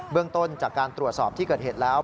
เรื่องต้นจากการตรวจสอบที่เกิดเหตุแล้ว